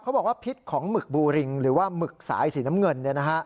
บอกว่าพิษของหมึกบูริงหรือว่าหมึกสายสีน้ำเงิน